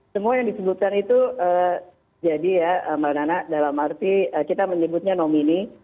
semua yang disebutkan itu jadi ya mbak nana dalam arti kita menyebutnya nomini